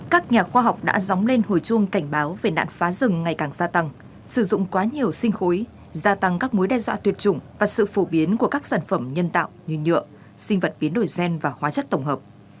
các nhà khoa học đã dóng lên hồi chuông cảnh báo về nạn phá rừng ngày càng gia tăng sử dụng quá nhiều sinh khối gia tăng các mối đe dọa tuyệt chủng và sự phổ biến của các sản phẩm nhân tạo như nhựa sinh vật biến đổi gen và hóa chất tổng hợp